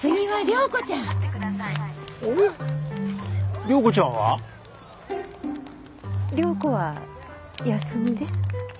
良子は休みで。